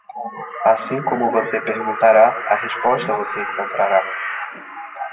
Assim como você perguntará, a resposta você encontrará.